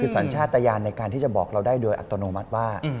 สัญชาติยานในการที่จะบอกเราได้โดยอัตโนมัติว่า